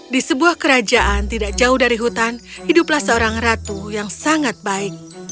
di sebuah kerajaan tidak jauh dari hutan hiduplah seorang ratu yang sangat baik